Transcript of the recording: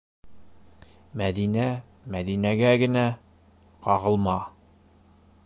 Мәҙинә, Мәҙинәгә генә... ҡағылма?!